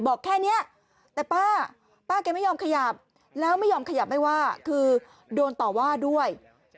บอกแค่นี้แต่ป้าป้าแกไม่ยอมขยับแล้วไม่ยอมขยับไม่ว่าคือโดนต่อว่าด้วย